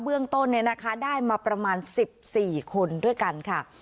เบื้องต้นเนี่ยนะคะได้มาประมาณสิบสี่คนด้วยกันค่ะ